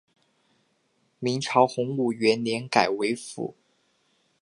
明朝洪武元年改为府。